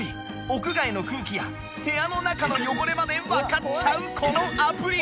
屋外の空気や部屋の中の汚れまでわかっちゃうこのアプリ！